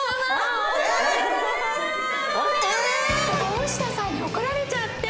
大下さんに怒られちゃって。